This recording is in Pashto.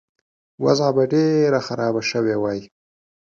وضع به ډېره خرابه شوې وای.